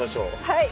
はい。